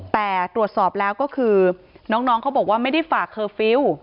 แต่ตรวจสอบแล้วก็คือน้องเขาบอกว่าไม่ได้ฝากเคอร์ฟิลล์